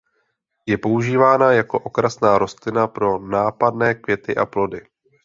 Je používána jako okrasná rostlina pro nápadné květy a plody.